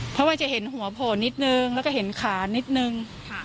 เพราะว่าจะเห็นหัวโผล่นิดนึงแล้วก็เห็นขานิดนึง